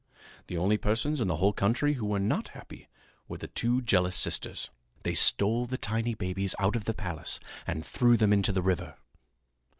The only persons in the whole country who were not happy were the two jealous sisters. They stole the tiny babies out of the palace and threw them into the river.